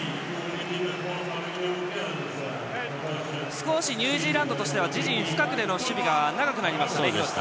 少しニュージーランドは自陣深くでの守備が長くなりましたね、廣瀬さん。